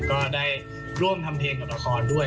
ก็ได้ร่วมทำเพลงกับละครด้วย